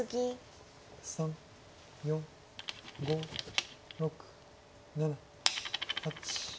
３４５６７８。